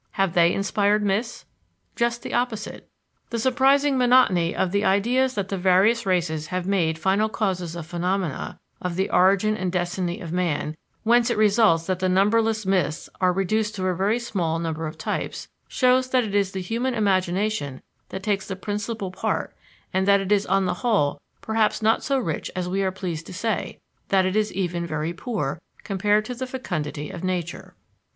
Have they inspired myths? Just the opposite: "the surprising monotony of the ideas that the various races have made final causes of phenomena, of the origin and destiny of man, whence it results that the numberless myths are reduced to a very small number of types," shows that it is the human imagination that takes the principal part and that it is on the whole perhaps not so rich as we are pleased to say that it is even very poor, compared to the fecundity of nature.